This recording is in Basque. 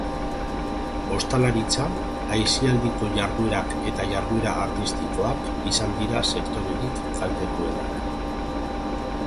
Ostalaritza, aisialdiko jarduerak eta jarduera artistikoak izan dira sektorerik kaltetuenak.